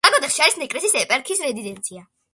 ლაგოდეხში არის ნეკრესის ეპარქიის რეზიდენცია.